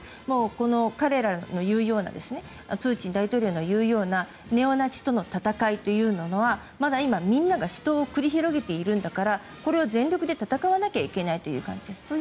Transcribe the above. この彼らの言うようなプーチン大統領が言うようなネオナチとの戦いというのはまだ今、みんなが死闘を繰り広げているんだからこれを全力で戦わなきゃいけないという感じでしたね。